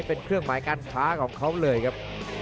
เป็นเครื่องหมายการค้าของเขาเลยครับ